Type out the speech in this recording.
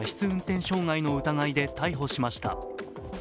運転傷害の疑いで逮捕しました。